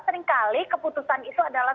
seringkali keputusan itu adalah